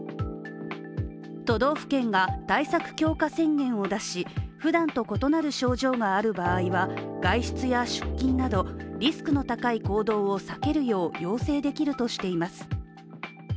都道府県が対策強化宣言を出しふだんと異なる症状がある場合は外出や出勤などリスクの高い行動を避けるよう要請することができるとしています。